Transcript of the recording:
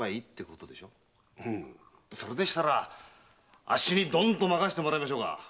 それでしたらあっしにどんと任せてもらいましょうか！